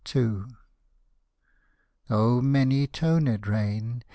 O many tonèd rain!